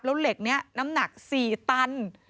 แล้วเหล็กนี้น้ำหนัก๔ตัน